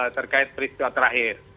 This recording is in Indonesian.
terkait peristiwa terakhir